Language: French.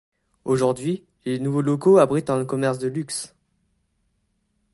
Aujourd'hui, les nouveaux locaux abritent un commerce de luxe.